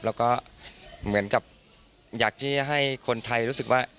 แล้วก็เหมือนกับอยากที่จะให้คนไทยรู้สึกว่า